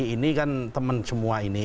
ini kan teman semua ini